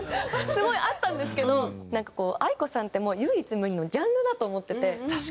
すごいあったんですけどなんかａｉｋｏさんってもう唯一無二のジャンルだと思ってて。